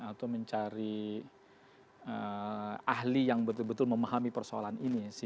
atau mencari ahli yang betul betul memahami persoalan ini